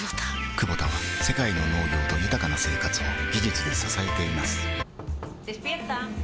クボタは世界の農業と豊かな生活を技術で支えています起きて。